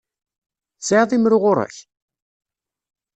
Tesɛiḍ imru ɣer-k?